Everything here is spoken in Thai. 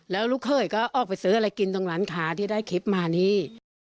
แล้วลูกเขยก็ออกไปซื้ออะไรกินตรงร้านค้าที่ได้คลิปมานี่